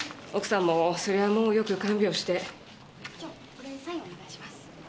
これにサインお願いします。